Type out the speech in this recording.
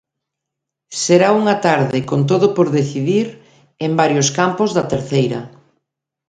Será unha tarde con todo por decidir en varios campos da terceira.